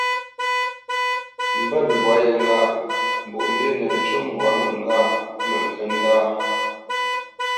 Mbə̂t mbwa ye ŋgâʼ : Mbwoʼmbǐ nə ncu mbwá mə ŋgâʼ mə ŋkə ndâ.